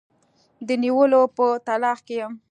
د نیولو په تلاښ کې یم.